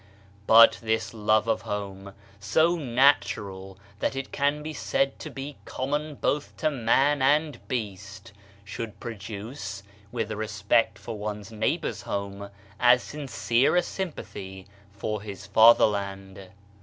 But this love of home, so natural that it can be said to be common both to man and beast, should produce, with a respect for one's neighbour's home, as sincere a sympathy for his fatherland.